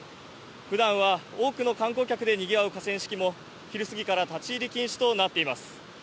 ふだんは多くの観光客でにぎわう河川敷も、昼過ぎから立ち入り禁止となっています。